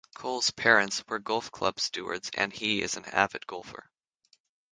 Cole's parents were golf club stewards and he is as an avid golfer.